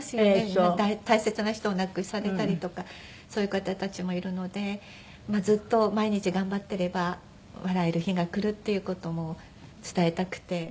大切な人を亡くされたりとかそういう方たちもいるのでずっと毎日頑張ってれば笑える日がくるっていう事も伝えたくて。